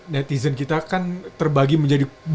netizen kita kan terbagi menjadi